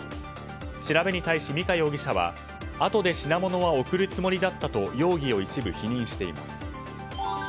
調べに対し、美香容疑者はあとで品物は送るつもりだったと容疑を一部否認しています。